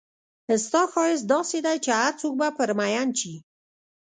ستا ښایست داسې دی چې هرڅوک به پر مئین شي.